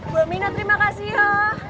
bu minat terima kasih ya